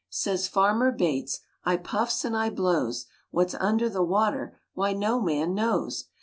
Says Farmer Bates, "I puffs and I blows, What's under the water, Why, no man knows!"